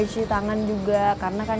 cuci tangan juga karena kan